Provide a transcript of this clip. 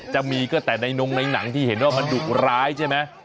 จะมีก็แต่ในนงในหนังที่เห็นว่ามันดุร้ายใช่ไหม